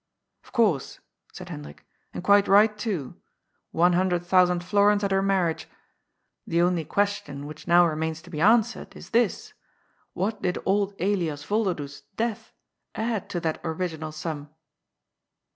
" Of coujrse," said Hendrik, " and quite right too. One hundred thousand florins at her marriage. The only ques tion which now remains to be answered is this : What did old Elias Yolderdoes's death add fi^ to that original sum